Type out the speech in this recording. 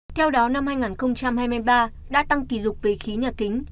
theo đó năm hai nghìn hai mươi ba đã tăng kỷ lục về khí nhạt kinh